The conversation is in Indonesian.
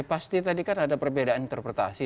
pasti tadi kan ada perbedaan interpretasi